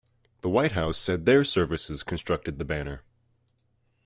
The White House said their services constructed the banner.